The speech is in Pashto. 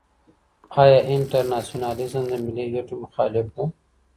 ایا انټرناسيونالېزم د ملي ګټو مخالف و؟